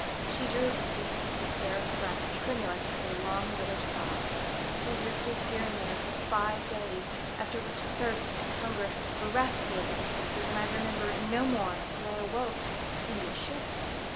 She drew a deep hysteric breath, tremulous as a long bitter sob. " We drifted here and there for five days, after which thirst and hunger bereft me of my senses, and I remember no more till I awoke in this ship.